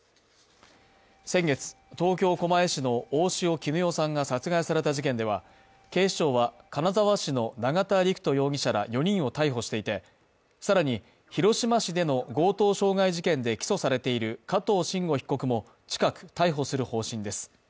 先月東京・狛江市の大塩衣与さんが殺害された事件では警視庁は金沢市の永田陸人容疑者ら４人を逮捕していて、更に、広島市での強盗傷害事件で起訴されている加藤臣吾被告も近く逮捕する方針です。